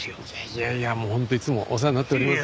いやいやもう本当いつもお世話になっております。